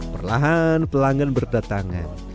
perlahan pelanggan berdatangan